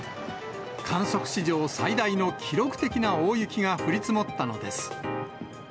観測史上最大の記録的な大雪が降り積もったのです。